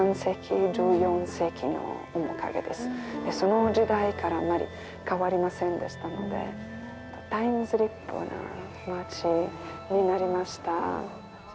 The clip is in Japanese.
その時代からあまり変わりませんでしたのでタイムスリップな町になりました。